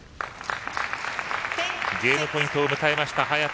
ゲームポイントを迎えた早田。